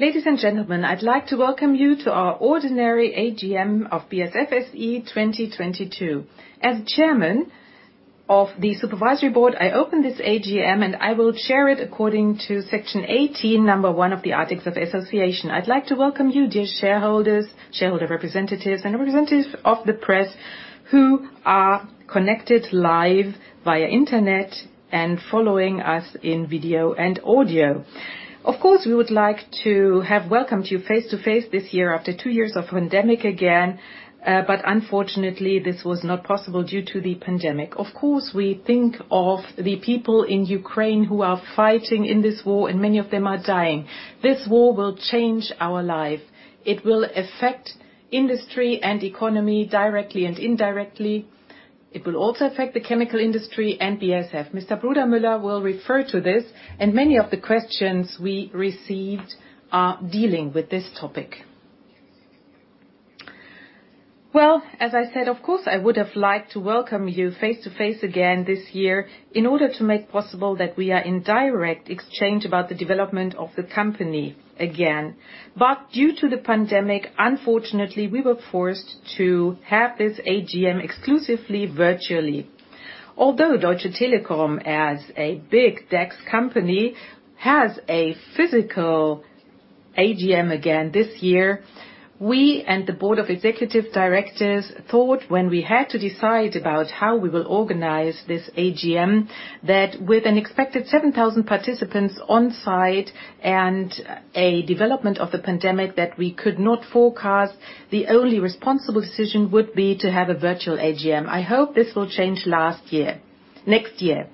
Ladies and gentlemen, I'd like to welcome you to our ordinary AGM of BASF SE 2022. As Chairman of the Supervisory Board, I open this AGM, and I will chair it according to Section 18, number 1 of the Articles of Association. I'd like to welcome you, dear shareholders, shareholder representatives, and representatives of the press who are connected live via internet and following us in video and audio. Of course, we would like to have welcomed you face-to-face this year after two years of pandemic again, but unfortunately this was not possible due to the pandemic. Of course, we think of the people in Ukraine who are fighting in this war, and many of them are dying. This war will change our life. It will affect industry and economy directly and indirectly. It will also affect the chemical industry and BASF. Mr. Brudermüller will refer to this, and many of the questions we received are dealing with this topic. Well, as I said, of course, I would have liked to welcome you face to face again this year in order to make possible that we are in direct exchange about the development of the company again. Due to the pandemic, unfortunately, we were forced to have this AGM exclusively virtually. Although Deutsche Telekom, as a big DAX company, has a physical AGM again this year, we and the Board of Executive Directors thought when we had to decide about how we will organize this AGM, that with an expected 7,000 participants on-site and a development of the pandemic that we could not forecast, the only responsible decision would be to have a virtual AGM. I hope this will change next year.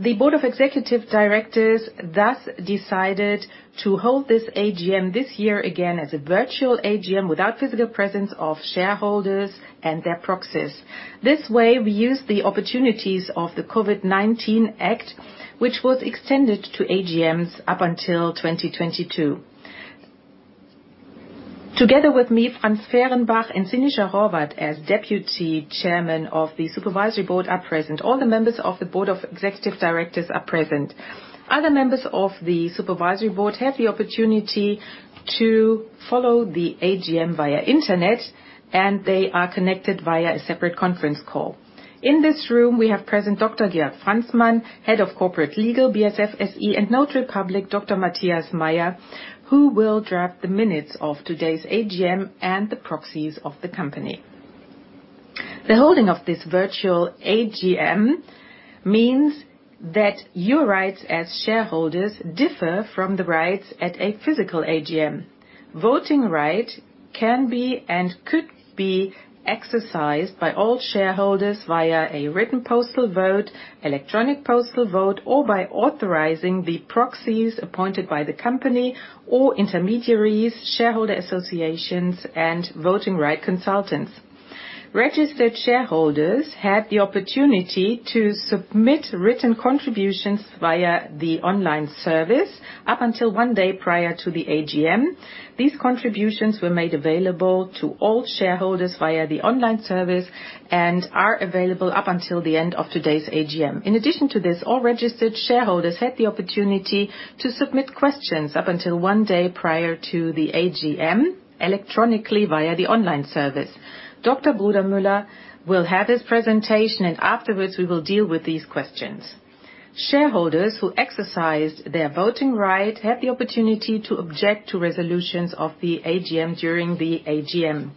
The Board of Executive Directors thus decided to hold this AGM this year again as a virtual AGM without physical presence of shareholders and their proxies. This way, we use the opportunities of the COVID-19 Act, which was extended to AGMs up until 2022. Together with me, Franz Fehrenbach and Sinischa Horvat as Deputy Chairman of the Supervisory Board are present. All the members of the Board of Executive Directors are present. Other members of the Supervisory Board have the opportunity to follow the AGM via internet, and they are connected via a separate conference call. In this room, we have present Dr. Georg Franzmann, Head of Corporate Legal, BASF SE, and Notary Public Dr. Matthias Meyer, who will draft the minutes of today's AGM and the proxies of the company. The holding of this virtual AGM means that your rights as shareholders differ from the rights at a physical AGM. Voting right can be and could be exercised by all shareholders via a written postal vote, electronic postal vote, or by authorizing the proxies appointed by the company or intermediaries, shareholder associations, and voting right consultants. Registered shareholders have the opportunity to submit written contributions via the online service up until one day prior to the AGM. These contributions were made available to all shareholders via the online service and are available up until the end of today's AGM. In addition to this, all registered shareholders had the opportunity to submit questions up until one day prior to the AGM electronically via the online service. Dr. Brudermüller will have his presentation, and afterwards, we will deal with these questions. Shareholders who exercised their voting right had the opportunity to object to resolutions of the AGM during the AGM.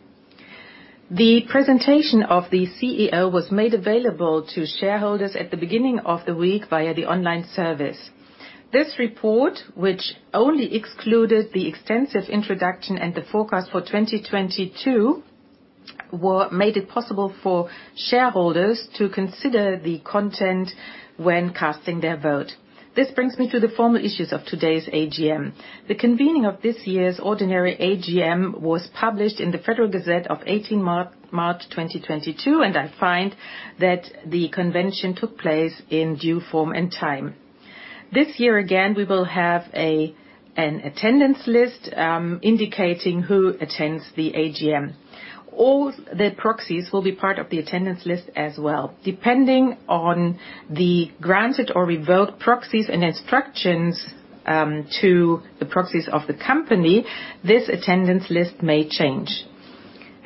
The presentation of the CEO was made available to shareholders at the beginning of the week via the online service. This report, which only excluded the extensive introduction and the forecast for 2022, made it possible for shareholders to consider the content when casting their vote. This brings me to the formal issues of today's AGM. The convening of this year's ordinary AGM was published in the Federal Gazette of 18 March 2022, and I find that the convention took place in due form and time. This year again, we will have an attendance list indicating who attends the AGM. All the proxies will be part of the attendance list as well. Depending on the granted or revoked proxies and instructions to the proxies of the company, this attendance list may change.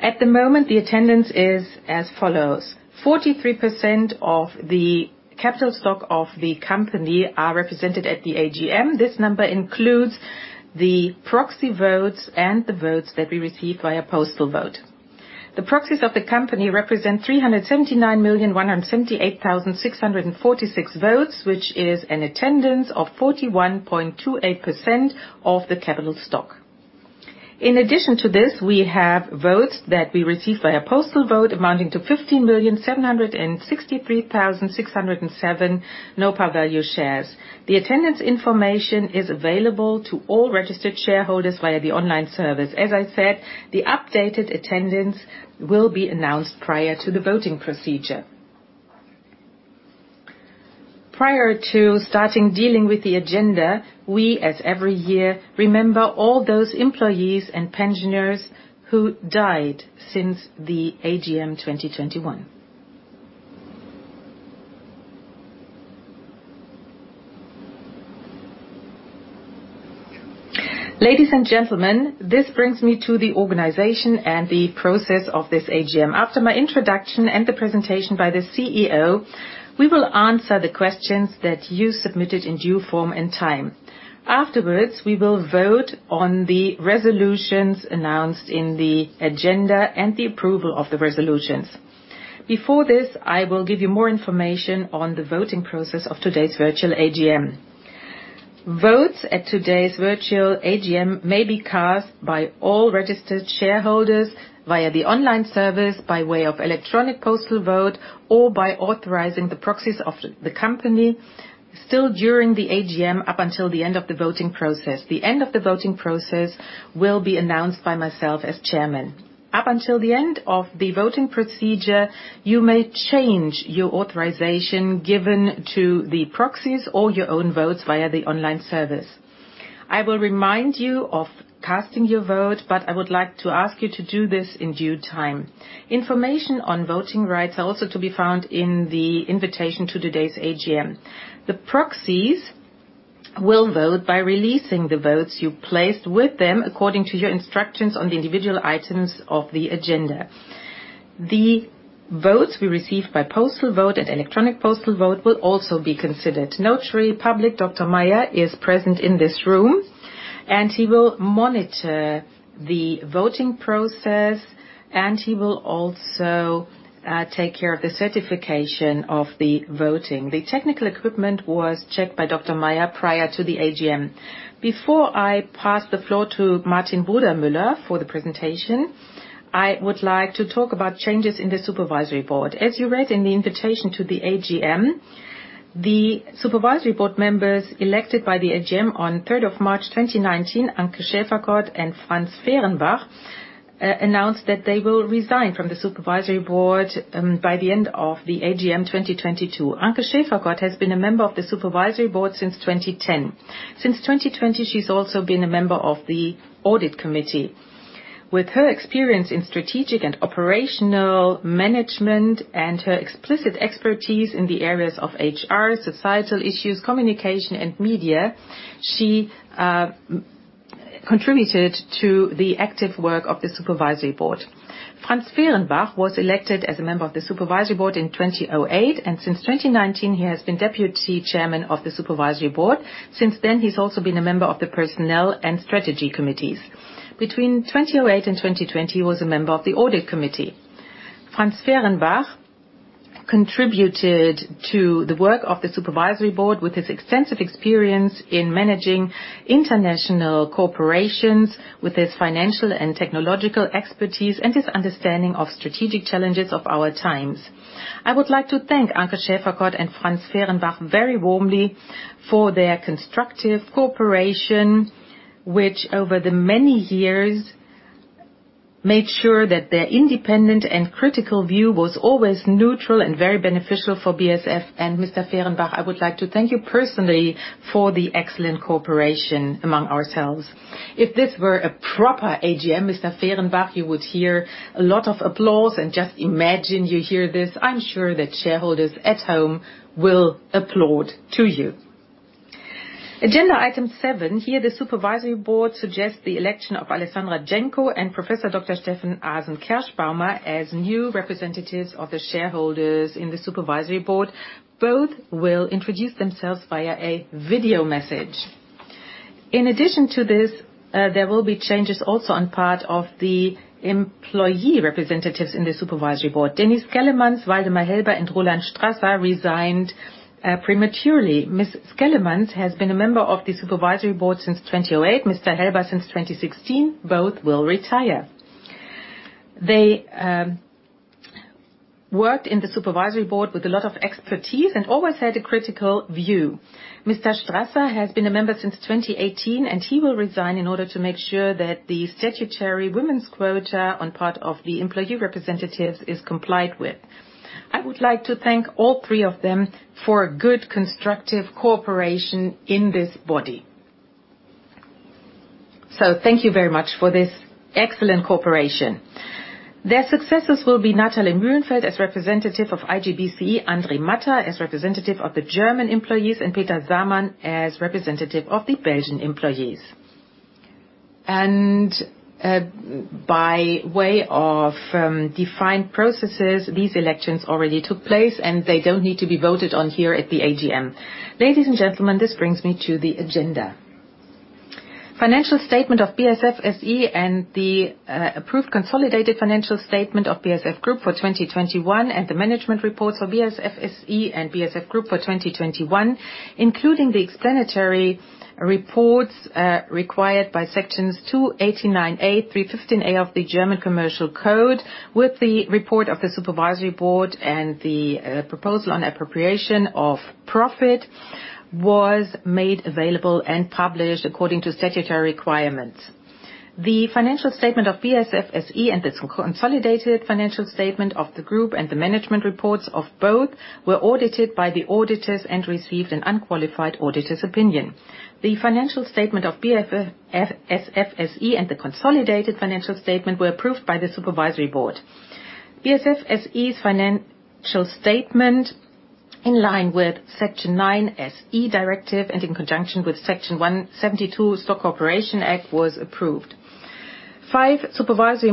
At the moment, the attendance is as follows. 43% of the capital stock of the company are represented at the AGM. This number includes the proxy votes and the votes that we received via postal vote. The proxies of the company represent 379,178,646 votes, which is an attendance of 41.28% of the capital stock. In addition to this, we have votes that we received via postal vote amounting to 15,763,607 no par value shares. The attendance information is available to all registered shareholders via the online service. As I said, the updated attendance will be announced prior to the voting procedure. Prior to starting dealing with the agenda, we, as every year, remember all those employees and pensioners who died since the AGM 2021. Ladies and gentlemen, this brings me to the organization and the process of this AGM. After my introduction and the presentation by the CEO, we will answer the questions that you submitted in due form and time. Afterwards, we will vote on the resolutions announced in the agenda and the approval of the resolutions. Before this, I will give you more information on the voting process of today's virtual AGM. Votes at today's virtual AGM may be cast by all registered shareholders via the online service by way of electronic postal vote, or by authorizing the proxies of the company still during the AGM up until the end of the voting process. The end of the voting process will be announced by myself as chairman. Up until the end of the voting procedure, you may change your authorization given to the proxies or your own votes via the online service. I will remind you of casting your vote, but I would like to ask you to do this in due time. Information on voting rights are also to be found in the invitation to today's AGM. The proxies will vote by releasing the votes you placed with them according to your instructions on the individual items of the agenda. The votes we receive by postal vote and electronic postal vote will also be considered. Notary Public, Dr. Matthias Meyer, is present in this room, and he will monitor the voting process, and he will also take care of the certification of the voting. The technical equipment was checked by Dr. Matthias Meyer prior to the AGM. Before I pass the floor to Martin Brudermüller for the presentation, I would like to talk about changes in the Supervisory Board. As you read in the invitation to the AGM, the Supervisory Board members elected by the AGM on March 3, 2019, Anke Schäferkordt and Franz Fehrenbach announced that they will resign from the Supervisory Board by the end of the AGM 2022. Anke Schäferkordt has been a member of the Supervisory Board since 2010. Since 2020, she has also been a member of the audit committee. With her experience in strategic and operational management and her explicit expertise in the areas of HR, societal issues, communication and media, she contributed to the active work of the Supervisory Board. Franz Fehrenbach was elected as a member of the Supervisory Board in 2008, and since 2019, he has been Deputy Chairman of the Supervisory Board. Since then, he's also been a member of the Personnel and Strategy Committees. Between 2008 and 2020, he was a member of the Audit Committee. Franz Fehrenbach contributed to the work of the Supervisory Board with his extensive experience in managing international corporations with his financial and technological expertise and his understanding of strategic challenges of our times. I would like to thank Anke Schäferkordt and Franz Fehrenbach very warmly for their constructive cooperation, which over the many years made sure that their independent and critical view was always neutral and very beneficial for BASF and Mr. Fehrenbach, I would like to thank you personally for the excellent cooperation among ourselves. If this were a proper AGM, Mr. Fehrenbach, you would hear a lot of applause and just imagine you hear this. I'm sure that shareholders at home will applaud to you. Agenda item seven, here the Supervisory Board suggests the election of Alessandra Genco and Professor Dr. Stefan Asenkerschbaumer as new representatives of the shareholders in the Supervisory Board. Both will introduce themselves via a video message. In addition to this, there will be changes also on part of the employee representatives in the Supervisory Board. Denise Schellemans, Waldemar Helber, and Roland Strasser resigned prematurely. Ms. Schellemans has been a member of the Supervisory Board since 2008, Mr. Helber since 2016, both will retire. They worked in the Supervisory Board with a lot of expertise and always had a critical view. Mr. Strasser has been a member since 2018, and he will resign in order to make sure that the statutory women's quota on part of the employee representatives is complied with. I would like to thank all three of them for a good constructive cooperation in this body. Thank you very much for this excellent cooperation. Their successors will be Natalie Mühlenfeld as representative of IG BCE, André Matta as representative of the German employees, and Peter Zaman as representative of the Belgian employees. By way of defined processes, these elections already took place, and they don't need to be voted on here at the AGM. Ladies and gentlemen, this brings me to the agenda. Financial statement of BASF SE and the approved consolidated financial statement of BASF Group for 2021 and the management reports for BASF SE and BASF Group for 2021, including the explanatory reports required by sections 289a, 315a of the German Commercial Code with the report of the supervisory board and the proposal on appropriation of profit was made available and published according to statutory requirements. The financial statement of BASF SE and the consolidated financial statement of the group and the management reports of both were audited by the auditors and received an unqualified auditor's opinion. The financial statement of BASF SE and the consolidated financial statement were approved by the supervisory board. BASF SE's financial statement, in line with Section 9 SE Regulation and in conjunction with Section 172 Stock Corporation Act, was approved. Five supervisory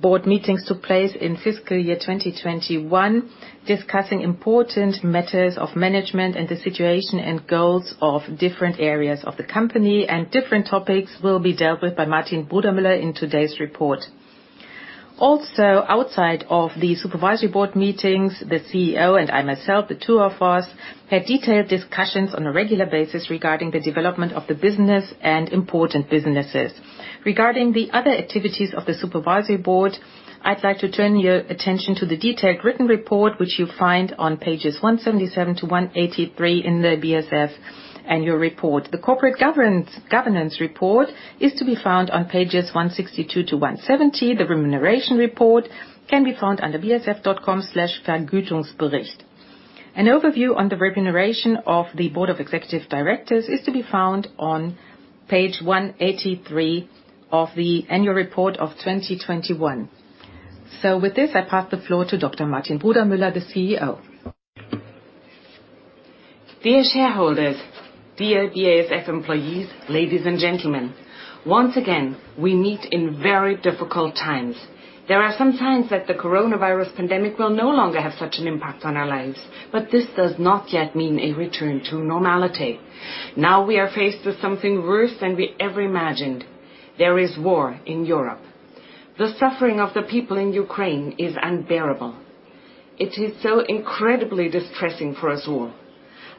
board meetings took place in fiscal year 2021, discussing important matters of management and the situation and goals of different areas of the company, and different topics will be dealt with by Martin Brudermüller in today's report. Also, outside of the supervisory board meetings, the CEO and I myself, the two of us, had detailed discussions on a regular basis regarding the development of the business and important businesses. Regarding the other activities of the supervisory board, I'd like to turn your attention to the detailed written report, which you'll find on pages 177 to 183 in the BASF annual report. The corporate governance report is to be found on Pages 162 to 170. The remuneration report can be found under basf.com/vergütungsbericht. An overview on the remuneration of the Board of Executive Directors is to be found on Page 183 of the annual report of 2021. With this, I pass the floor to Dr. Martin Brudermüller, the CEO. Dear shareholders, dear BASF employees, ladies and gentlemen. Once again, we meet in very difficult times. There are some signs that the coronavirus pandemic will no longer have such an impact on our lives, but this does not yet mean a return to normality. Now we are faced with something worse than we ever imagined. There is war in Europe. The suffering of the people in Ukraine is unbearable. It is so incredibly distressing for us all,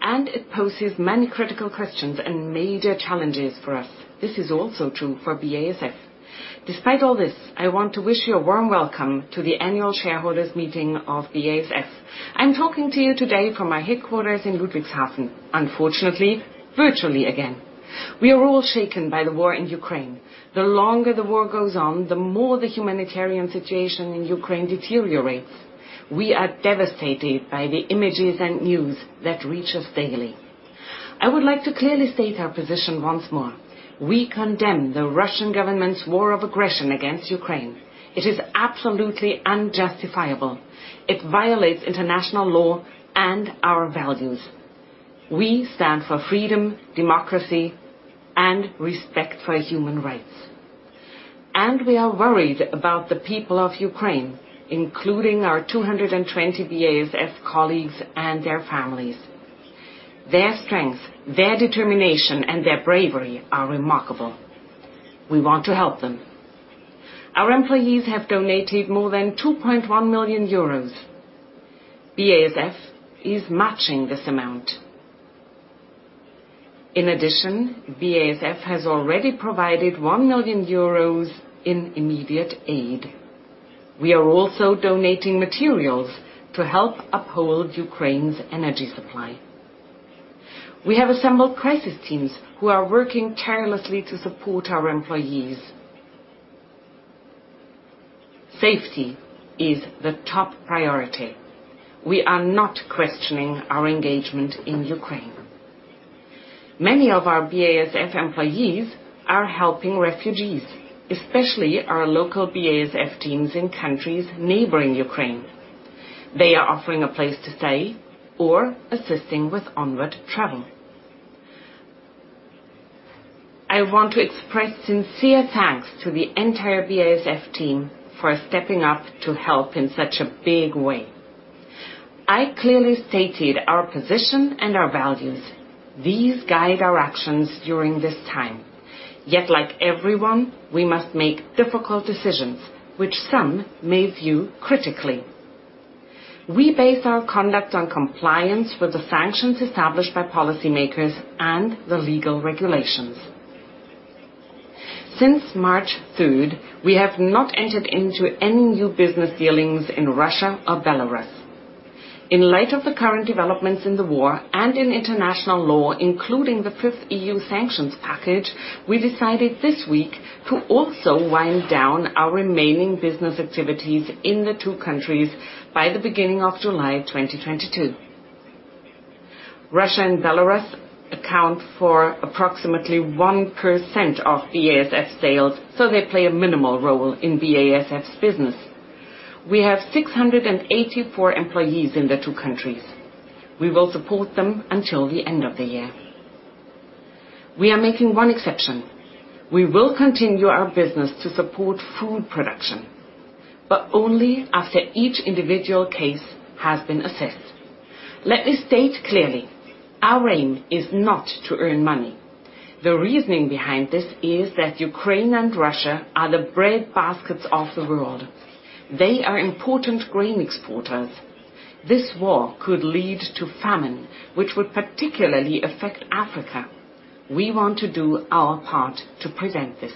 and it poses many critical questions and major challenges for us. This is also true for BASF. Despite all this, I want to wish you a warm welcome to the annual shareholders meeting of BASF. I'm talking to you today from my headquarters in Ludwigshafen, unfortunately, virtually again. We are all shaken by the war in Ukraine. The longer the war goes on, the more the humanitarian situation in Ukraine deteriorates. We are devastated by the images and news that reach us daily. I would like to clearly state our position once more. We condemn the Russian government's war of aggression against Ukraine. It is absolutely unjustifiable. It violates international law and our values. We stand for freedom, democracy, and respect for human rights. We are worried about the people of Ukraine, including our 220 BASF colleagues and their families. Their strength, their determination, and their bravery are remarkable. We want to help them. Our employees have donated more than 2.1 million euros. BASF is matching this amount. In addition, BASF has already provided 1 million euros in immediate aid. We are also donating materials to help uphold Ukraine's energy supply. We have assembled crisis teams who are working tirelessly to support our employees. Safety is the top priority. We are not questioning our engagement in Ukraine. Many of our BASF employees are helping refugees, especially our local BASF teams in countries neighboring Ukraine. They are offering a place to stay or assisting with onward travel. I want to express sincere thanks to the entire BASF team for stepping up to help in such a big way. I clearly stated our position and our values. These guide our actions during this time. Yet, like everyone, we must make difficult decisions, which some may view critically. We base our conduct on compliance with the sanctions established by policymakers and the legal regulations. Since March third, we have not entered into any new business dealings in Russia or Belarus. In light of the current developments in the war and in international law, including the fifth EU sanctions package, we decided this week to also wind down our remaining business activities in the two countries by the beginning of July 2022. Russia and Belarus account for approximately 1% of BASF sales, so they play a minimal role in BASF's business. We have 684 employees in the two countries. We will support them until the end of the year. We are making one exception. We will continue our business to support food production, but only after each individual case has been assessed. Let me state clearly, our aim is not to earn money. The reasoning behind this is that Ukraine and Russia are the bread baskets of the world. They are important grain exporters. This war could lead to famine, which would particularly affect Africa. We want to do our part to prevent this.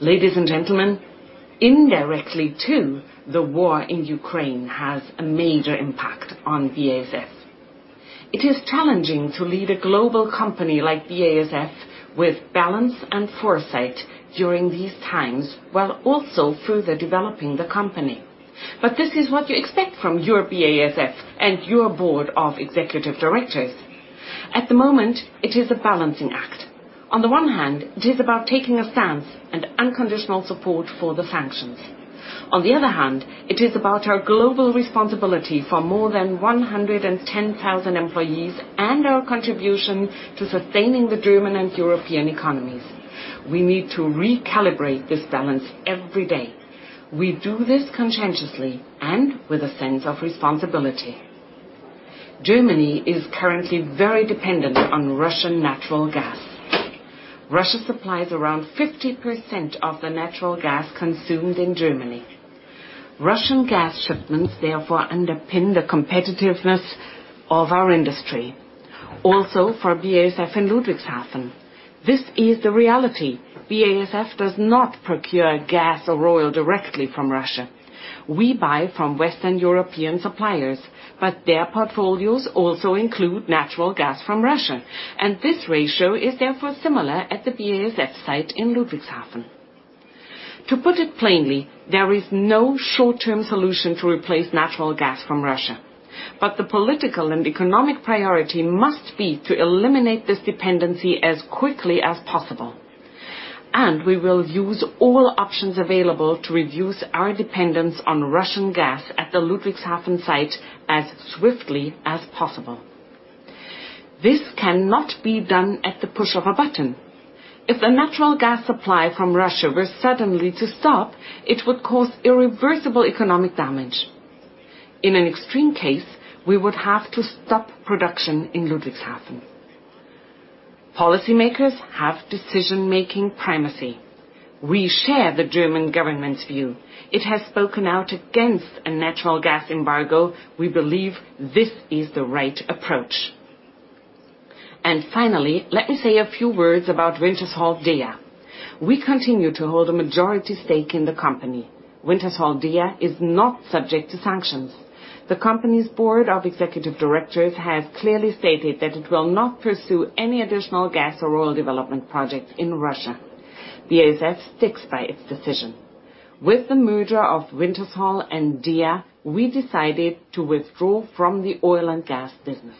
Ladies and gentlemen, indirectly, too, the war in Ukraine has a major impact on BASF. It is challenging to lead a global company like BASF with balance and foresight during these times, while also further developing the company. This is what you expect from your BASF and your Board of Executive Directors. At the moment, it is a balancing act. On the one hand, it is about taking a stance and unconditional support for the sanctions. On the other hand, it is about our global responsibility for more than 110,000 employees and our contribution to sustaining the German and European economies. We need to recalibrate this balance every day. We do this conscientiously and with a sense of responsibility. Germany is currently very dependent on Russian natural gas. Russia supplies around 50% of the natural gas consumed in Germany. Russian gas shipments therefore underpin the competitiveness of our industry, also for BASF in Ludwigshafen. This is the reality. BASF does not procure gas or oil directly from Russia. We buy from Western European suppliers, but their portfolios also include natural gas from Russia, and this ratio is therefore similar at the BASF site in Ludwigshafen. To put it plainly, there is no short-term solution to replace natural gas from Russia. The political and economic priority must be to eliminate this dependency as quickly as possible. We will use all options available to reduce our dependence on Russian gas at the Ludwigshafen site as swiftly as possible. This cannot be done at the push of a button. If the natural gas supply from Russia were suddenly to stop, it would cause irreversible economic damage. In an extreme case, we would have to stop production in Ludwigshafen. Policy makers have decision-making primacy. We share the German government's view. It has spoken out against a natural gas embargo. We believe this is the right approach. Finally, let me say a few words about Wintershall Dea. We continue to hold a majority stake in the company. Wintershall Dea is not subject to sanctions. The company's board of executive directors has clearly stated that it will not pursue any additional gas or oil development projects in Russia. BASF sticks by its decision. With the merger of Wintershall and Dea, we decided to withdraw from the oil and gas business.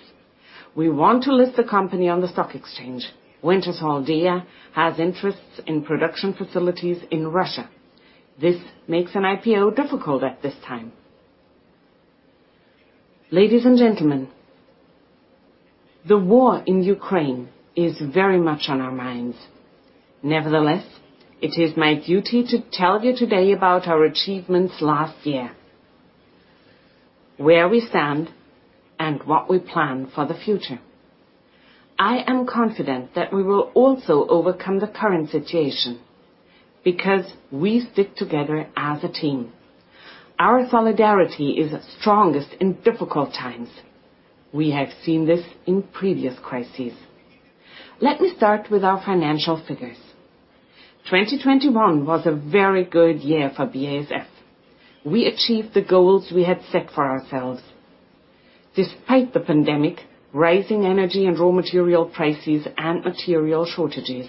We want to list the company on the stock exchange. Wintershall Dea has interests in production facilities in Russia. This makes an IPO difficult at this time. Ladies and gentlemen, the war in Ukraine is very much on our minds. Nevertheless, it is my duty to tell you today about our achievements last year, where we stand, and what we plan for the future. I am confident that we will also overcome the current situation because we stick together as a team. Our solidarity is strongest in difficult times. We have seen this in previous crises. Let me start with our financial figures. 2021 was a very good year for BASF. We achieved the goals we had set for ourselves, despite the pandemic, rising energy and raw material prices, and material shortages.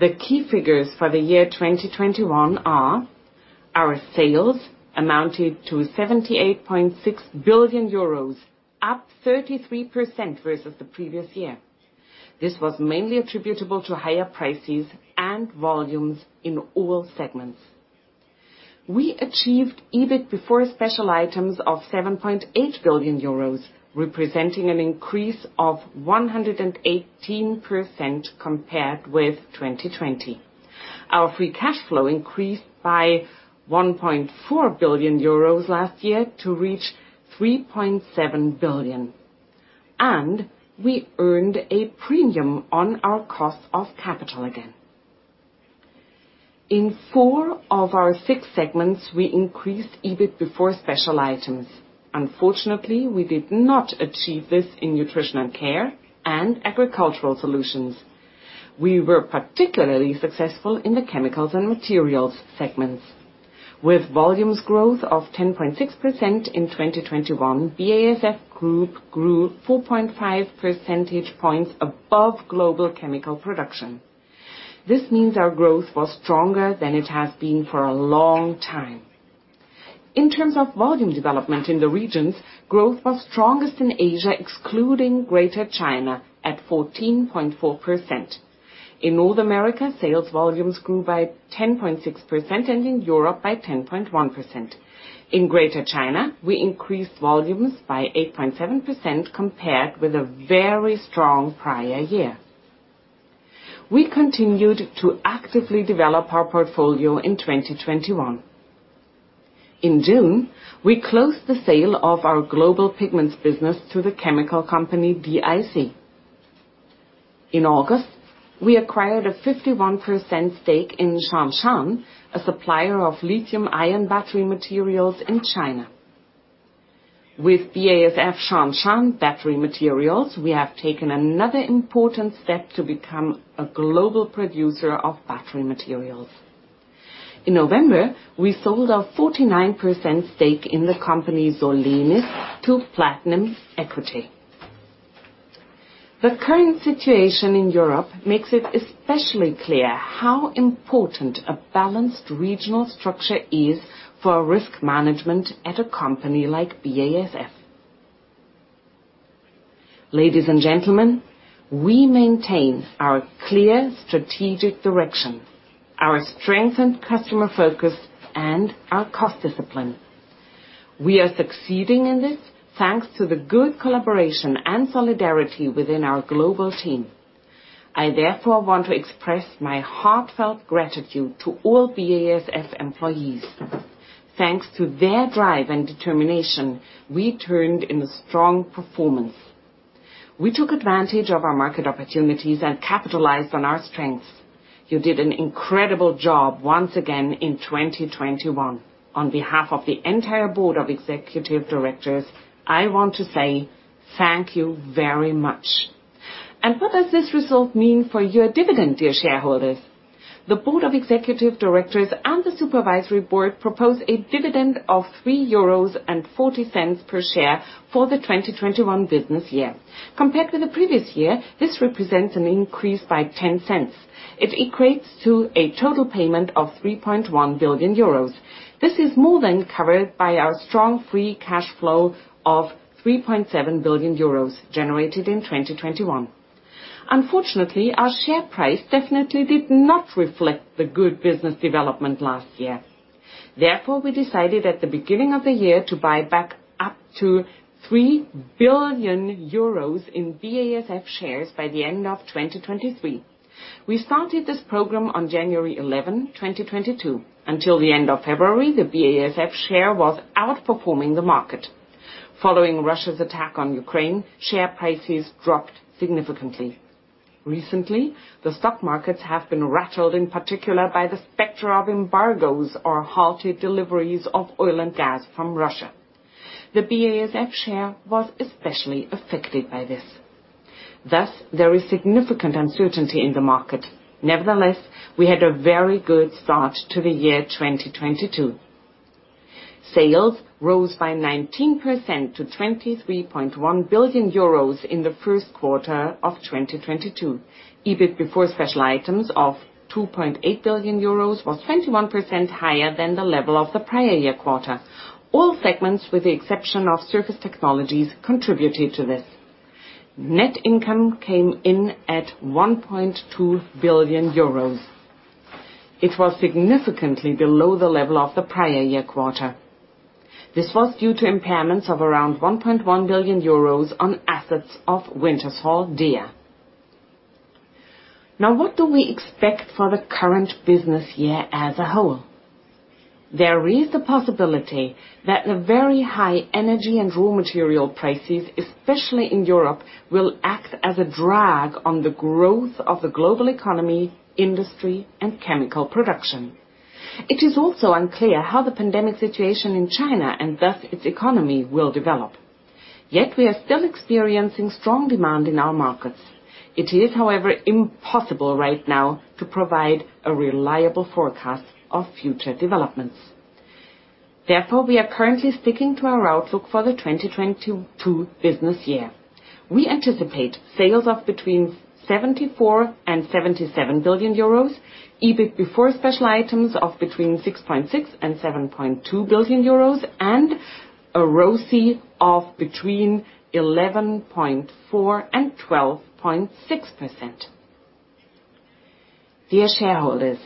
The key figures for the year 2021 are our sales amounted to 78.6 billion euros, up 33% versus the previous year. This was mainly attributable to higher prices and volumes in all segments. We achieved EBIT before special items of 7.8 billion euros, representing an increase of 118% compared with 2020. Our free cash flow increased by 1.4 billion euros last year to reach 3.7 billion. We earned a premium on our cost of capital again. In four of our six segments, we increased EBIT before special items. Unfortunately, we did not achieve this in Nutrition & Care and Agricultural Solutions. We were particularly successful in the Chemicals & Materials segments. With volumes growth of 10.6% in 2021, BASF Group grew 4.5 percentage points above global chemical production. This means our growth was stronger than it has been for a long time. In terms of volume development in the regions, growth was strongest in Asia, excluding Greater China at 14.4%. In North America, sales volumes grew by 10.6%, and in Europe by 10.1%. In Greater China, we increased volumes by 8.7% compared with a very strong prior year. We continued to actively develop our portfolio in 2021. In June, we closed the sale of our global pigments business to the chemical company DIC. In August, we acquired a 51% stake in Shanshan, a supplier of lithium ion battery materials in China. With BASF Shanshan Battery Materials, we have taken another important step to become a global producer of battery materials. In November, we sold our 49% stake in the company Solenis to Platinum Equity. The current situation in Europe makes it especially clear how important a balanced regional structure is for risk management at a company like BASF. Ladies and gentlemen, we maintain our clear strategic direction, our strength and customer focus, and our cost discipline. We are succeeding in this thanks to the good collaboration and solidarity within our global team. I, therefore, want to express my heartfelt gratitude to all BASF employees. Thanks to their drive and determination, we turned in a strong performance. We took advantage of our market opportunities and capitalized on our strengths. You did an incredible job once again in 2021. On behalf of the entire Board of Executive Directors, I want to say thank you very much. What does this result mean for your dividend, dear shareholders? The board of executive directors and the supervisory board propose a dividend of 3.40 euros per share for the 2021 business year. Compared to the previous year, this represents an increase by 0.10. It equates to a total payment of 3.1 billion euros. This is more than covered by our strong free cash flow of 3.7 billion euros generated in 2021. Unfortunately, our share price definitely did not reflect the good business development last year. Therefore, we decided at the beginning of the year to buy back up to 3 billion euros in BASF shares by the end of 2023. We started this program on January 11, 2022. Until the end of February, the BASF share was outperforming the market. Following Russia's attack on Ukraine, share prices dropped significantly. Recently, the stock markets have been rattled, in particular by the specter of embargoes or halted deliveries of oil and gas from Russia. The BASF share was especially affected by this. Thus, there is significant uncertainty in the market. Nevertheless, we had a very good start to the year 2022. Sales rose by 19% to 23.1 billion euros in the first quarter of 2022. EBIT before special items of 2.8 billion euros was 21% higher than the level of the prior-year quarter. All segments, with the exception of Surface Technologies, contributed to this. Net income came in at 1.2 billion euros. It was significantly below the level of the prior-year quarter. This was due to impairments of around 1.1 billion euros on assets of Wintershall Dea. Now, what do we expect for the current business year as a whole? There is the possibility that the very high energy and raw material prices, especially in Europe, will act as a drag on the growth of the global economy, industry, and chemical production. It is also unclear how the pandemic situation in China and thus its economy will develop. Yet we are still experiencing strong demand in our markets. It is, however, impossible right now to provide a reliable forecast of future developments. Therefore, we are currently sticking to our outlook for the 2022 business year. We anticipate sales of between 74 billion and 77 billion euros, EBIT before special items of between 6.6 billion and 7.2 billion euros, and a ROCE of between 11.4% and 12.6%. Dear shareholders,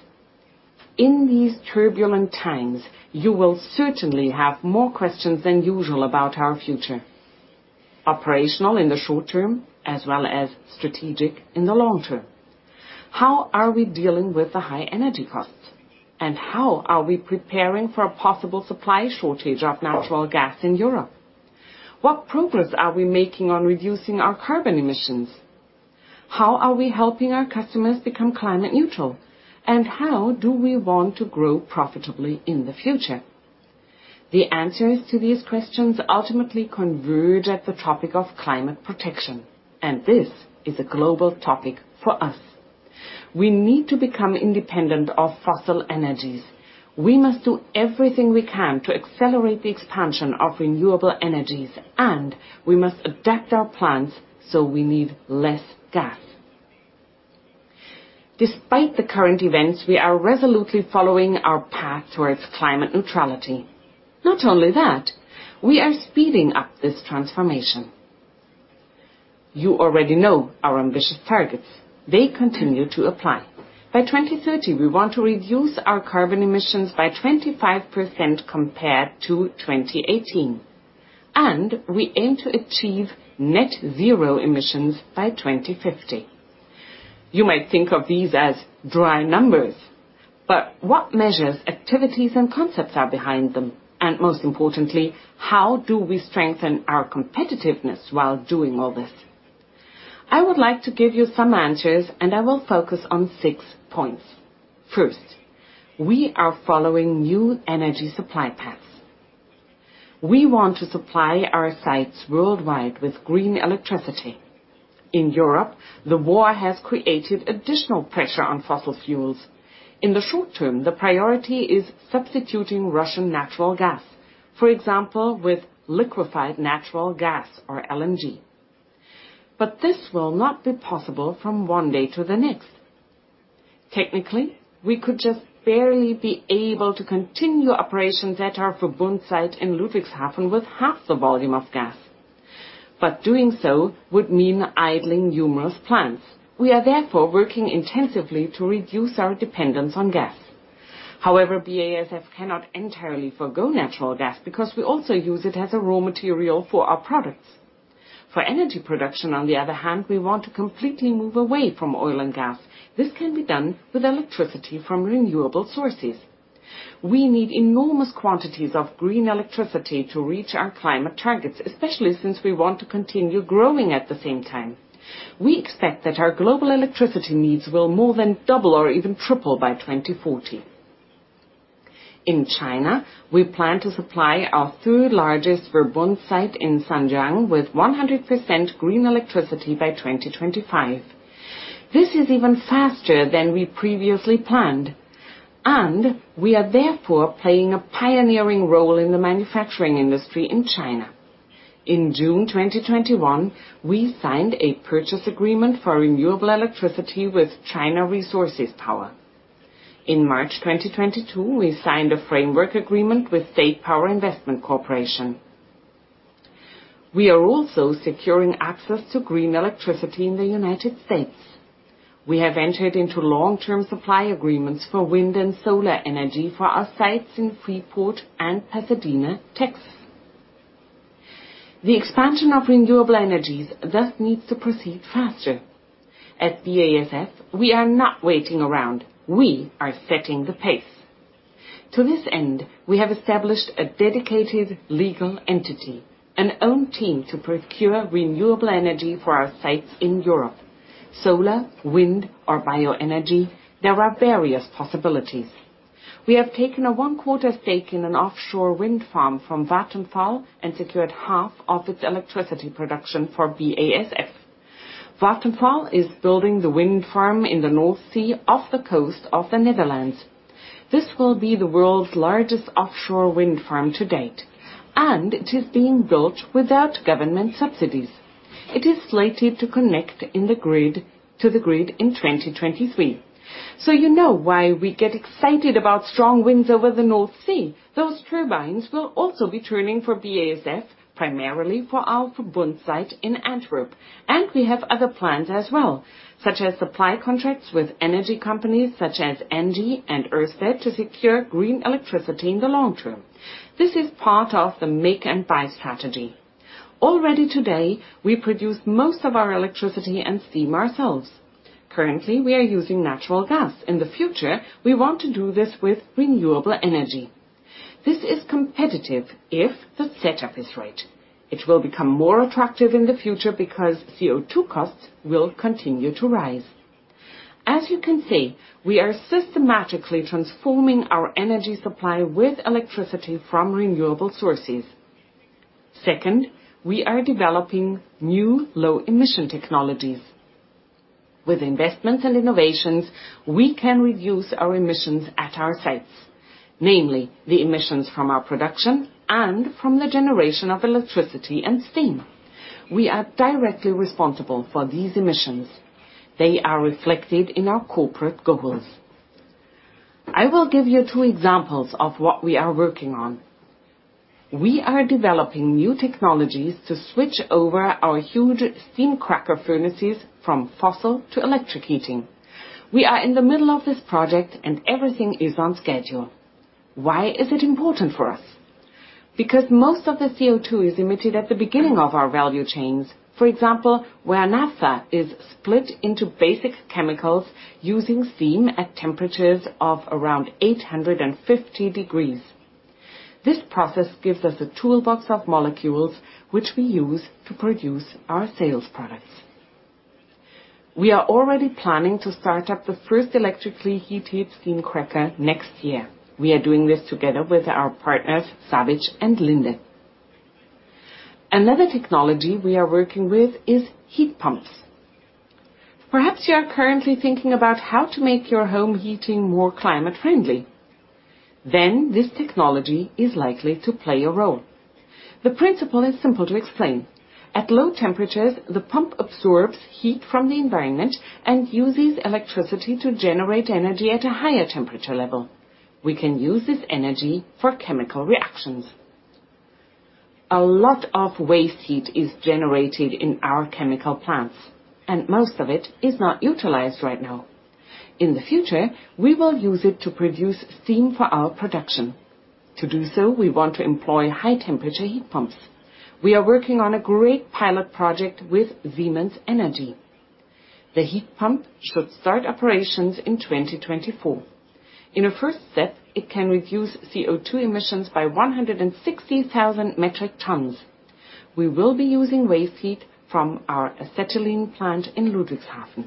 in these turbulent times you will certainly have more questions than usual about our future, operational in the short term as well as strategic in the long term. How are we dealing with the high energy costs, and how are we preparing for a possible supply shortage of natural gas in Europe? What progress are we making on reducing our carbon emissions? How are we helping our customers become climate neutral, and how do we want to grow profitably in the future? The answers to these questions ultimately converge at the topic of climate protection, and this is a global topic for us. We need to become independent of fossil energies. We must do everything we can to accelerate the expansion of renewable energies, and we must adapt our plans so we need less gas. Despite the current events, we are resolutely following our path towards climate neutrality. Not only that, we are speeding up this transformation. You already know our ambitious targets. They continue to apply. By 2030, we want to reduce our carbon emissions by 25% compared to 2018, and we aim to achieve net zero emissions by 2050. You might think of these as dry numbers, but what measures, activities, and concepts are behind them? Most importantly, how do we strengthen our competitiveness while doing all this? I would like to give you some answers, and I will focus on six points. First, we are following new energy supply paths. We want to supply our sites worldwide with green electricity. In Europe, the war has created additional pressure on fossil fuels. In the short term, the priority is substituting Russian natural gas, for example, with liquefied natural gas or LNG. This will not be possible from one day to the next. Technically, we could just barely be able to continue operations at our Verbund site in Ludwigshafen with half the volume of gas. Doing so would mean idling numerous plants. We are therefore working intensively to reduce our dependence on gas. However, BASF cannot entirely forgo natural gas because we also use it as a raw material for our products. For energy production, on the other hand, we want to completely move away from oil and gas. This can be done with electricity from renewable sources. We need enormous quantities of green electricity to reach our climate targets, especially since we want to continue growing at the same time. We expect that our global electricity needs will more than double or even triple by 2040. In China, we plan to supply our third-largest Verbund site in Zhanjiang with 100% green electricity by 2025. This is even faster than we previously planned, and we are therefore playing a pioneering role in the manufacturing industry in China. In June 2021, we signed a purchase agreement for renewable electricity with China Resources Power. In March 2022, we signed a framework agreement with State Power Investment Corporation. We are also securing access to green electricity in the United States. We have entered into long-term supply agreements for wind and solar energy for our sites in Freeport and Pasadena, Texas. The expansion of renewable energies thus needs to proceed faster. At BASF, we are not waiting around. We are setting the pace. To this end, we have established a dedicated legal entity, an own team to procure renewable energy for our sites in Europe. Solar, wind, or bioenergy, there are various possibilities. We have taken a one-quarter stake in an offshore wind farm from Vattenfall and secured half of its electricity production for BASF. Vattenfall is building the wind farm in the North Sea off the coast of the Netherlands. This will be the world's largest offshore wind farm to date, and it is being built without government subsidies. It is slated to connect to the grid in 2023. You know why we get excited about strong winds over the North Sea. Those turbines will also be turning for BASF, primarily for our Verbund site in Antwerp. We have other plans as well, such as supply contracts with energy companies such as ENGIE and Ørsted to secure green electricity in the long term. This is part of the make and buy strategy. Already today, we produce most of our electricity and steam ourselves. Currently, we are using natural gas. In the future, we want to do this with renewable energy. This is competitive if the setup is right. It will become more attractive in the future because CO2 costs will continue to rise. As you can see, we are systematically transforming our energy supply with electricity from renewable sources. Second, we are developing new low-emission technologies. With investments and innovations, we can reduce our emissions at our sites, namely the emissions from our production and from the generation of electricity and steam. We are directly responsible for these emissions. They are reflected in our corporate goals. I will give you two examples of what we are working on. We are developing new technologies to switch over our huge steam cracker furnaces from fossil to electric heating. We are in the middle of this project and everything is on schedule. Why is it important for us? Because most of the CO2 is emitted at the beginning of our value chains. For example, where naphtha is split into basic chemicals using steam at temperatures of around 850 degrees. This process gives us a toolbox of molecules which we use to produce our sales products. We are already planning to start up the first electrically heated steam cracker next year. We are doing this together with our partners, SABIC and Linde. Another technology we are working with is heat pumps. Perhaps you are currently thinking about how to make your home heating more climate-friendly. Then this technology is likely to play a role. The principle is simple to explain. At low temperatures, the pump absorbs heat from the environment and uses electricity to generate energy at a higher temperature level. We can use this energy for chemical reactions. A lot of waste heat is generated in our chemical plants, and most of it is not utilized right now. In the future, we will use it to produce steam for our production. To do so, we want to employ high-temperature heat pumps. We are working on a great pilot project with Siemens Energy. The heat pump should start operations in 2024. In a first step, it can reduce CO2 emissions by 160,000 metric tons. We will be using waste heat from our acetylene plant in Ludwigshafen.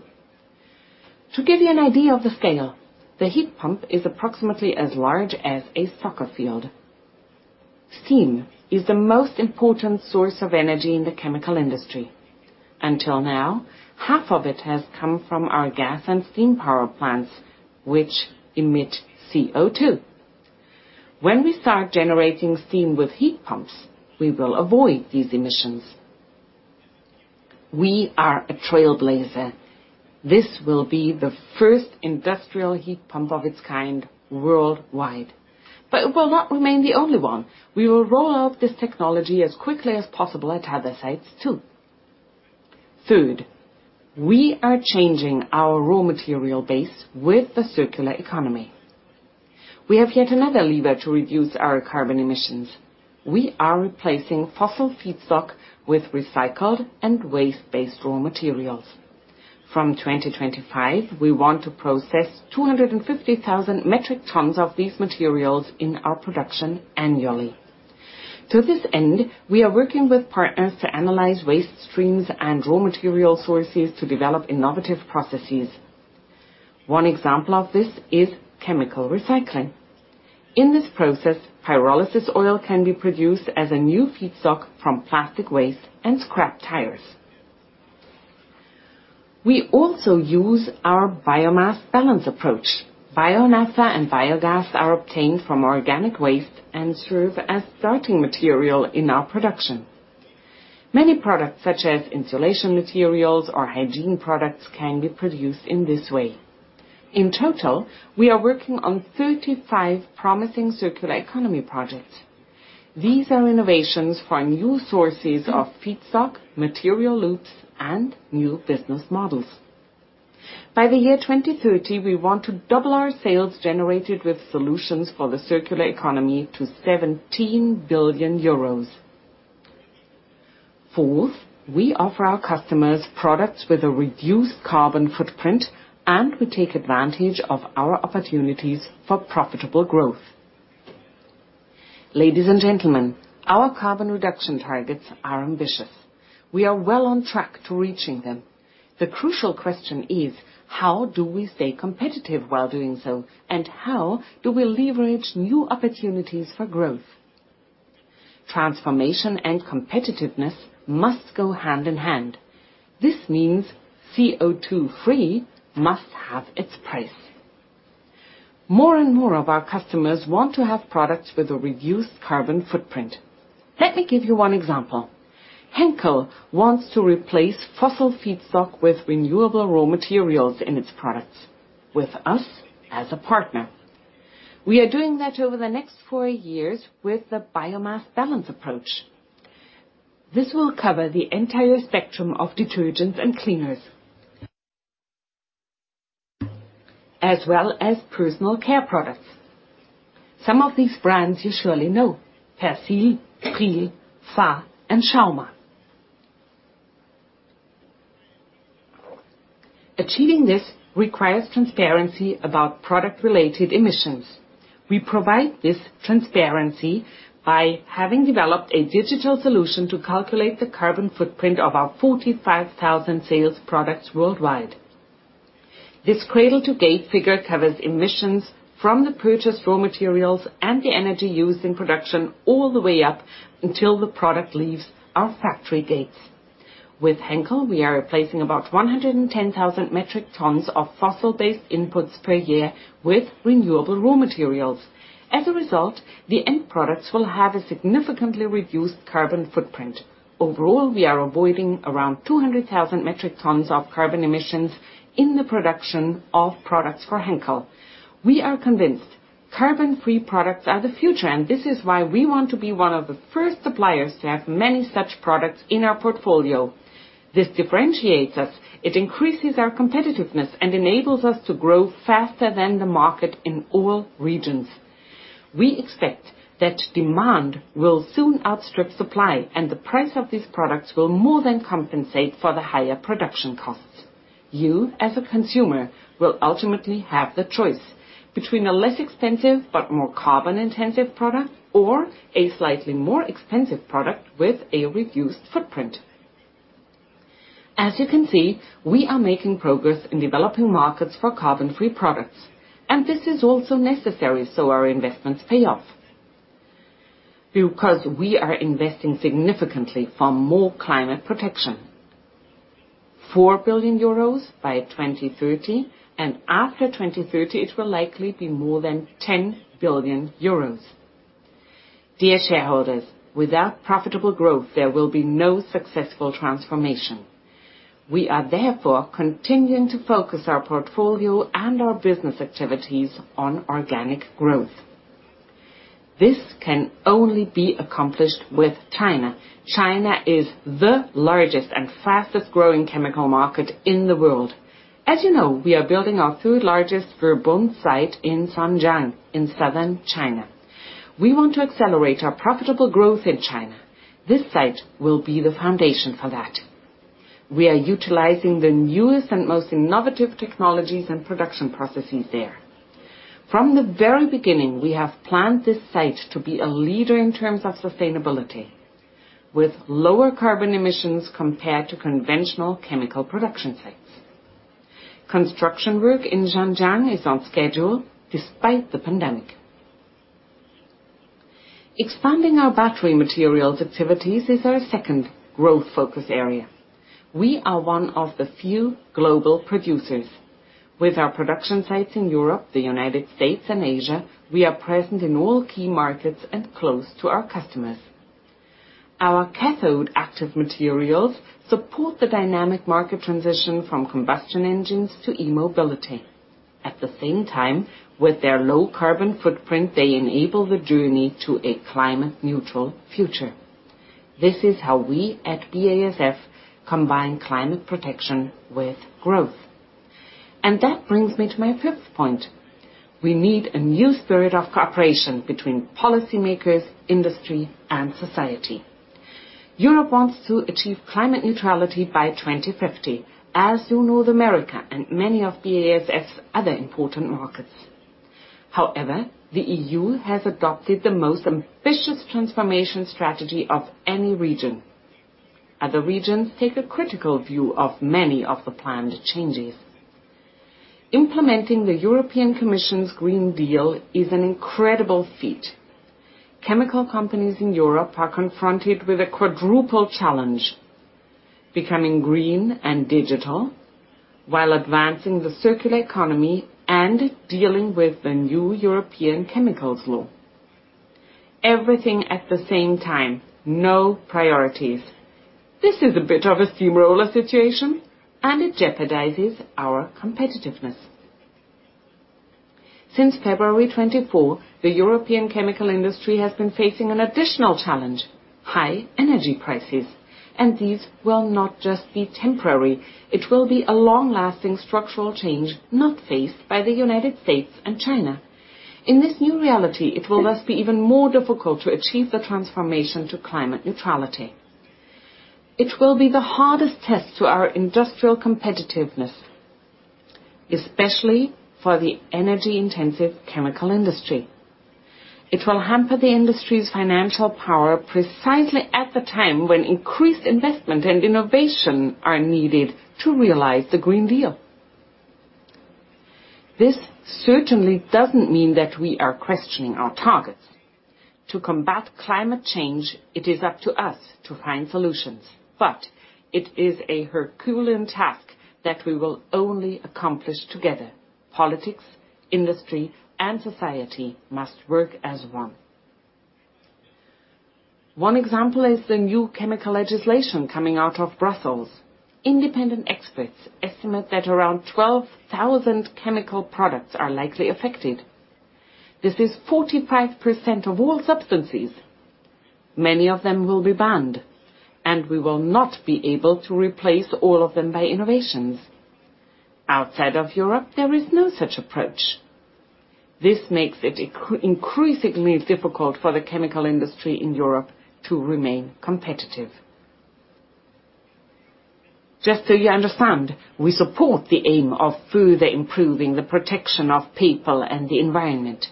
To give you an idea of the scale, the heat pump is approximately as large as a soccer field. Steam is the most important source of energy in the chemical industry. Until now, half of it has come from our gas and steam power plants, which emit CO2. When we start generating steam with heat pumps, we will avoid these emissions. We are a trailblazer. This will be the first industrial heat pump of its kind worldwide. It will not remain the only one. We will roll out this technology as quickly as possible at other sites, too. Third, we are changing our raw material base with the circular economy. We have yet another lever to reduce our carbon emissions. We are replacing fossil feedstock with recycled and waste-based raw materials. From 2025, we want to process 250,000 metric tons of these materials in our production annually. To this end, we are working with partners to analyze waste streams and raw material sources to develop innovative processes. One example of this is chemical recycling. In this process, pyrolysis oil can be produced as a new feedstock from plastic waste and scrap tires. We also use our biomass balance approach. Bio-naphtha and biogas are obtained from organic waste and serve as starting material in our production. Many products, such as insulation materials or hygiene products, can be produced in this way. In total, we are working on 35 promising circular economy projects. These are innovations for new sources of feedstock, material loops, and new business models. By the year 2030, we want to double our sales generated with solutions for the circular economy to 17 billion euros. Fourth, we offer our customers products with a reduced carbon footprint, and we take advantage of our opportunities for profitable growth. Ladies and gentlemen, our carbon reduction targets are ambitious. We are well on track to reaching them. The crucial question is, how do we stay competitive while doing so, and how do we leverage new opportunities for growth? Transformation and competitiveness must go hand in hand. This means CO₂-free must have its price. More and more of our customers want to have products with a reduced carbon footprint. Let me give you one example. Henkel wants to replace fossil feedstock with renewable raw materials in its products, with us as a partner. We are doing that over the next four years with the biomass balance approach. This will cover the entire spectrum of detergents and cleaners. As well as personal care products. Some of these brands you surely know, Persil, Pril, Fa, and Schauma. Achieving this requires transparency about product-related emissions. We provide this transparency by having developed a digital solution to calculate the carbon footprint of our 45,000 sales products worldwide. This cradle-to-gate figure covers emissions from the purchased raw materials and the energy used in production all the way up until the product leaves our factory gates. With Henkel, we are replacing about 110,000 metric tons of fossil-based inputs per year with renewable raw materials. As a result, the end products will have a significantly reduced carbon footprint. Overall, we are avoiding around 200,000 metric tons of carbon emissions in the production of products for Henkel. We are convinced carbon-free products are the future, and this is why we want to be one of the first suppliers to have many such products in our portfolio. This differentiates us, it increases our competitiveness, and enables us to grow faster than the market in all regions. We expect that demand will soon outstrip supply, and the price of these products will more than compensate for the higher production costs. You, as a consumer, will ultimately have the choice between a less expensive but more carbon-intensive product or a slightly more expensive product with a reduced footprint. As you can see, we are making progress in developing markets for carbon-free products, and this is also necessary so our investments pay off. Because we are investing significantly for more climate protection, 4 billion euros by 2030, and after 2030, it will likely be more than 10 billion euros. Dear shareholders, without profitable growth, there will be no successful transformation. We are therefore continuing to focus our portfolio and our business activities on organic growth. This can only be accomplished with China. China is the largest and fastest-growing chemical market in the world. As you know, we are building our third-largest Verbund site in Zhanjiang in southern China. We want to accelerate our profitable growth in China. This site will be the foundation for that. We are utilizing the newest and most innovative technologies and production processes there. From the very beginning, we have planned this site to be a leader in terms of sustainability, with lower carbon emissions compared to conventional chemical production sites. Construction work in Zhanjiang is on schedule despite the pandemic. Expanding our battery materials activities is our second growth focus area. We are one of the few global producers. With our production sites in Europe, the United States, and Asia, we are present in all key markets and close to our customers. Our cathode active materials support the dynamic market transition from combustion engines to e-mobility. At the same time, with their low carbon footprint, they enable the journey to a climate neutral future. This is how we at BASF combine climate protection with growth. That brings me to my fifth point. We need a new spirit of cooperation between policymakers, industry, and society. Europe wants to achieve climate neutrality by 2050, as you know, North America and many of BASF's other important markets. However, the EU has adopted the most ambitious transformation strategy of any region. Other regions take a critical view of many of the planned changes. Implementing the European Commission's Green Deal is an incredible feat. Chemical companies in Europe are confronted with a quadruple challenge, becoming green and digital while advancing the circular economy and dealing with the new European chemicals law. Everything at the same time, no priorities. This is a bit of a steamroller situation, and it jeopardizes our competitiveness. Since February 2024, the European chemical industry has been facing an additional challenge, high energy prices, and these will not just be temporary. It will be a long-lasting structural change not faced by the United States and China. In this new reality, it will thus be even more difficult to achieve the transformation to climate neutrality. It will be the hardest test to our industrial competitiveness, especially for the energy-intensive chemical industry. It will hamper the industry's financial power precisely at the time when increased investment and innovation are needed to realize the Green Deal. This certainly doesn't mean that we are questioning our targets. To combat climate change, it is up to us to find solutions, but it is a herculean task that we will only accomplish together. Politics, industry, and society must work as one. One example is the new chemical legislation coming out of Brussels. Independent experts estimate that around 12,000 chemical products are likely affected. This is 45% of all substances. Many of them will be banned, and we will not be able to replace all of them by innovations. Outside of Europe, there is no such approach. This makes it increasingly difficult for the chemical industry in Europe to remain competitive. Just so you understand, we support the aim of further improving the protection of people and the environment.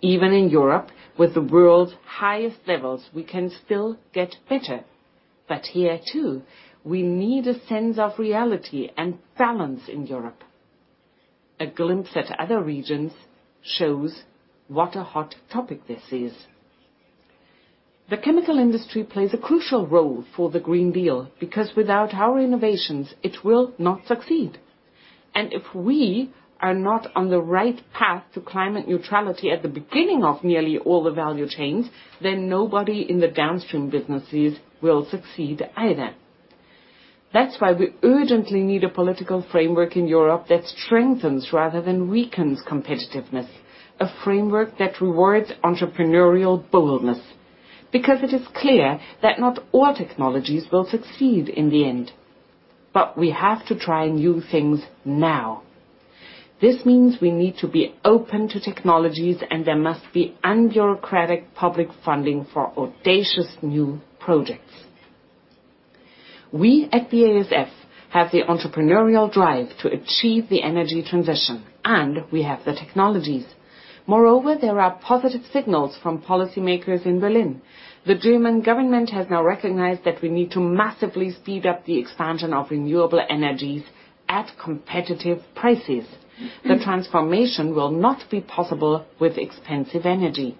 Even in Europe, with the world's highest levels, we can still get better. Here too, we need a sense of reality and balance in Europe. A glimpse at other regions shows what a hot topic this is. The chemical industry plays a crucial role for the Green Deal because without our innovations, it will not succeed. If we are not on the right path to climate neutrality at the beginning of nearly all the value chains, then nobody in the downstream businesses will succeed either. That's why we urgently need a political framework in Europe that strengthens rather than weakens competitiveness, a framework that rewards entrepreneurial boldness. It is clear that not all technologies will succeed in the end, but we have to try new things now. This means we need to be open to technologies, and there must be unbureaucratic public funding for audacious new projects. We at BASF have the entrepreneurial drive to achieve the energy transition, and we have the technologies. Moreover, there are positive signals from policymakers in Berlin. The German government has now recognized that we need to massively speed up the expansion of renewable energies at competitive prices. The transformation will not be possible with expensive energy.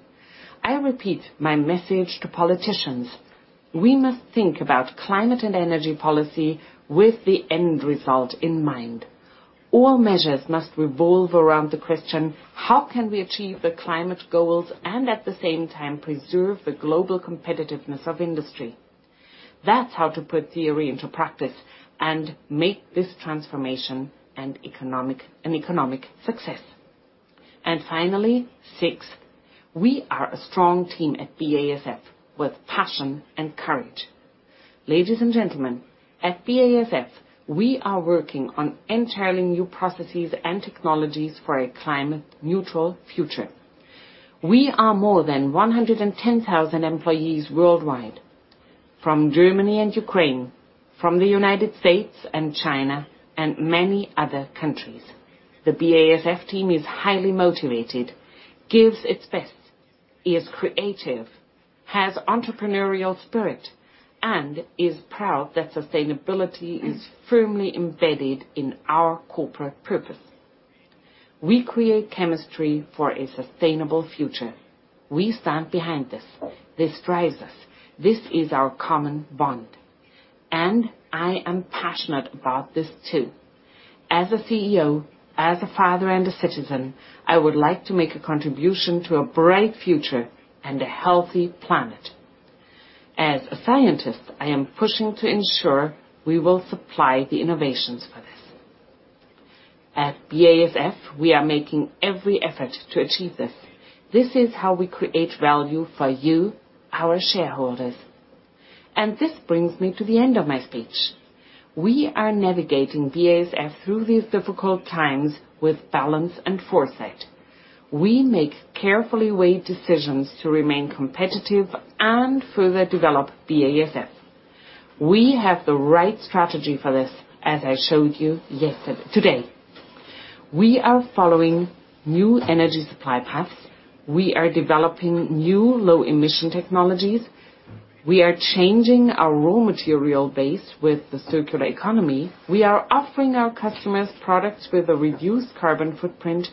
I repeat my message to politicians. We must think about climate and energy policy with the end result in mind. All measures must revolve around the question, how can we achieve the climate goals and at the same time preserve the global competitiveness of industry? That's how to put theory into practice and make this transformation an economic success. Finally, six, we are a strong team at BASF with passion and courage. Ladies and gentlemen, at BASF, we are working on entirely new processes and technologies for a climate neutral future. We are more than 110,000 employees worldwide, from Germany and Ukraine, from the United States and China, and many other countries. The BASF team is highly motivated, gives its best, is creative, has entrepreneurial spirit, and is proud that sustainability is firmly embedded in our corporate purpose. We create chemistry for a sustainable future. We stand behind this. This drives us. This is our common bond. I am passionate about this too. As a CEO, as a father and a citizen, I would like to make a contribution to a bright future and a healthy planet. As a scientist, I am pushing to ensure we will supply the innovations for this. At BASF, we are making every effort to achieve this. This is how we create value for you, our shareholders. This brings me to the end of my speech. We are navigating BASF through these difficult times with balance and foresight. We make carefully weighed decisions to remain competitive and further develop BASF. We have the right strategy for this, as I showed you today. We are following new energy supply paths. We are developing new low emission technologies. We are changing our raw material base with the circular economy. We are offering our customers products with a reduced carbon footprint.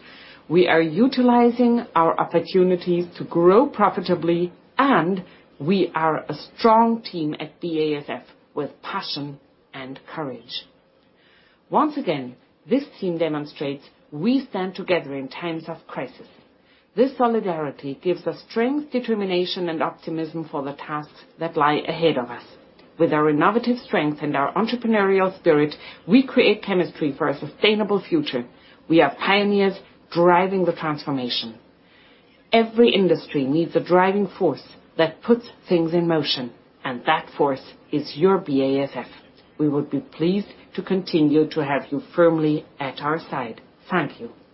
We are utilizing our opportunities to grow profitably, and we are a strong team at BASF with passion and courage. Once again, this team demonstrates we stand together in times of crisis. This solidarity gives us strength, determination, and optimism for the tasks that lie ahead of us. With our innovative strength and our entrepreneurial spirit, we create chemistry for a sustainable future. We are pioneers driving the transformation. Every industry needs a driving force that puts things in motion, and that force is your BASF. We would be pleased to continue to have you firmly at our side. Thank you.